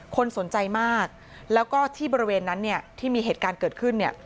คนสนใจมากแล้วก็ที่บริเวณนั้นเนี่ยที่มีเหตุการณ์เกิดขึ้นเนี่ย